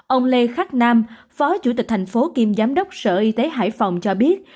ông lê khắc nam phó chủ tịch thành phố kiêm giám đốc sở y tế hải phòng cho biết